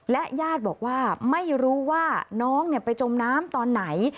ญาติบอกว่าไม่รู้ว่าน้องไปจมน้ำตอนไหน